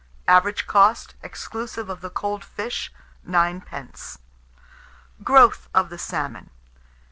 Average cost, exclusive of the cold fish, 9d. GROWTH OF THE SALMON.